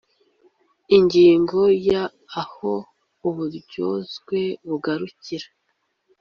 Ingingo ya aho uburyozwe bugarukira